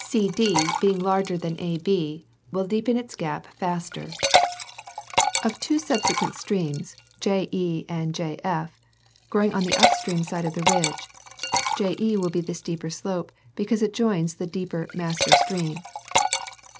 CD being larger than AB will deepen its gap faster. Of two subsequent streams, JE and JF, growing on the up stream side of the ridge, JE will have the steeper slope, because it joins the deeper master stream.